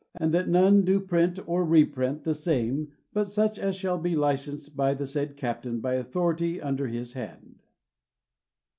And that none do Print or Re print the same but such as shall be licensed by the said Captain by Authority under his hand.